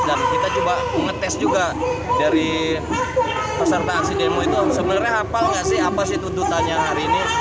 dan kita juga mengetes juga dari peserta aksi demo itu sebenarnya apa sih tututannya hari ini